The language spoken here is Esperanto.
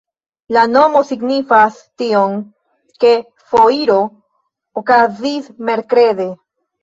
La nomo signifas tion, ke foiro okazis merkrede.